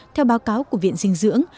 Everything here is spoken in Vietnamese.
theo báo cáo của viện dinh dưỡng